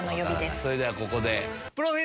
それではここで。